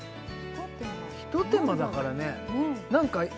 ひと手間だからね何だろう？